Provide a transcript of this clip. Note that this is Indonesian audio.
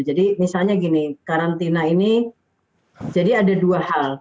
jadi misalnya gini karantina ini jadi ada dua hal